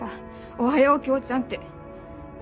「おはようキョーちゃん」って。